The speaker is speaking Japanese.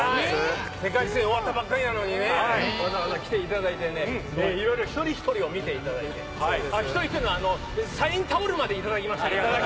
世界水泳が終わったばかりなのに、わざわざ来ていただいて、一人一人を見ていただいて、サインタオルまでいただきました。